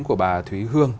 của bà thúy hương